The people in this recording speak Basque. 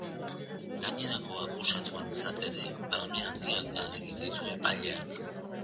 Gainerako akusatuentzat ere berme handiak galdegin ditu epaileak.